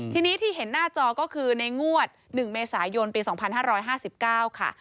ทีนี้ที่เห็นหน้าจอก็คือในงวด๑เมษายนปี๒๕๕๙ค่ะ